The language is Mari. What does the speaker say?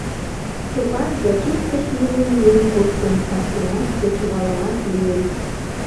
Чопан зачисткыш лӱмын миен коштын, кастенат, кечывалымат лийым.